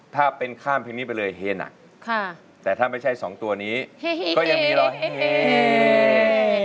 ถ้าเป็นข้ามเพลงนี้ไปเลยเฮหนักแต่ถ้าไม่ใช่สองตัวนี้ก็ยังมีรอยเฮ